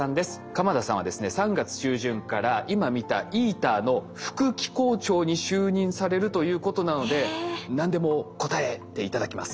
鎌田さんはですね３月中旬から今見たＩＴＥＲの副機構長に就任されるということなので何でも答えて頂きます。